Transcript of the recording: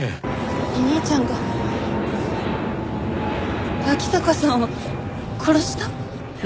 お兄ちゃんが脇坂さんを殺した？